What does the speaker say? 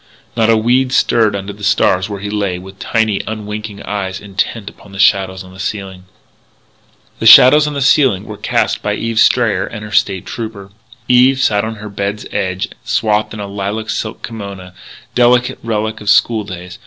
Not a weed stirred under the stars where he lay with tiny, unwinking eyes intent upon the shadows on the ceiling. The shadows on the ceiling were cast by Eve Strayer and her State Trooper. Eve sat on her bed's edge, swathed in a lilac silk kimona delicate relic of school days.